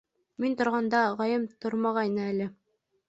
Мин торғанда ағайым тормағайны әле.